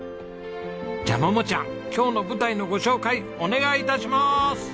じゃあ桃ちゃん今日の舞台のご紹介お願い致しまーす。